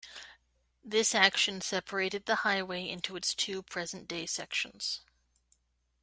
This action separated the highway into its two present-day sections.